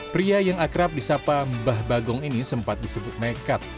pria yang akrab di sapa mbah bagong ini sempat disebut nekat